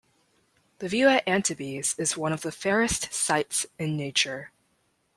The view at Antibes is one of the fairest sights in nature.